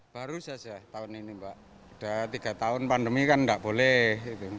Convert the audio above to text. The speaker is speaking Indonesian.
baru saja tahun ini mbak sudah tiga tahun pandemi kan tidak boleh